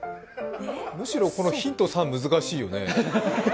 むしろこのヒント３、難しいよね。